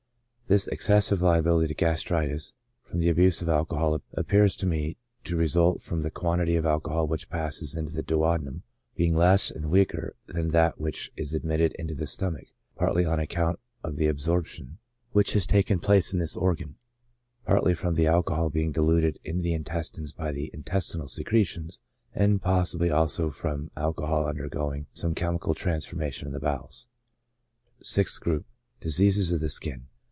This excessive hability to gastritis from the abuse of alcohol appears to me to result from the quantity of alcohol which passes into the duodenum being less and weaker than that which is admitted into the stomach, partly on account of the absorption which has taken place in this organ, partly from the alcohol being diluted in the intestines by the intestinal secretions, and possibly also from alcohol undergoing some chemical trans formation in the bowels. Sixth Group : Diseases of the Skin.